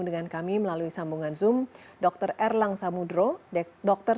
dalam lingkungan yang tertutup